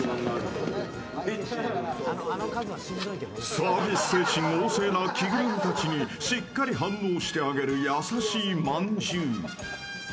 サービス精神旺盛な着ぐるみたちにしっかり反応してあげる優しいまんじゅう。